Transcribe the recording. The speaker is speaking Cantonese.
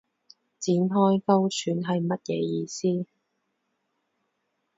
展開勾選係乜嘢意思